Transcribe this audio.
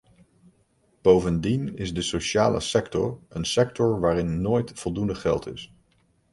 Bovendien is de sociale sector een sector waarin nooit voldoende geld is.